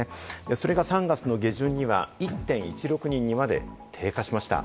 それが３月の下旬には１．１６人にまで低下しました。